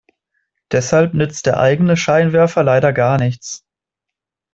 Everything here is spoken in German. Deshalb nützt der eigene Scheinwerfer leider gar nichts.